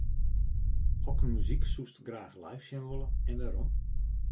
Hokker muzyk soest graach live sjen wolle en wêrom?